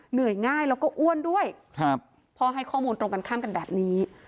เหนื่อยง่ายแล้วก็อ้วนด้วยครับพ่อให้ข้อมูลตรงกันข้ามกันแบบนี้